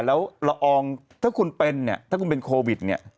แล้วละอองถ้าคุณเป็นเนี่ยถ้าคุณเป็นโควิดเนี่ย